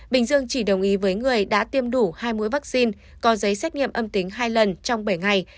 bình dương chỉ đồng ý với người đã tiêm đủ hai mũi vaccine có giấy xét nghiệm âm tính hai lần trong bảy ngày